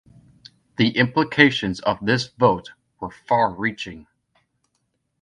The implications of this vote were far-reaching.